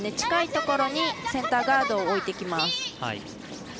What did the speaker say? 近いところにセンターガードに置いてきます。